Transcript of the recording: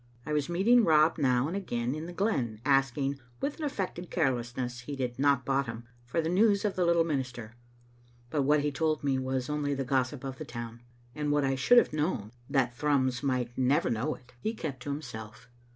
I was meeting Rob now and again in the glen, asking, with an affected carelessness he did not bottom, for news of the little minister, but what he told me was only the gossip of the town ; and what I should have known, tbj^t Thrums might n^ver know it, he kept Digitized by VjOOQ IC 198 tCbe Xfttte Ainister* to himself.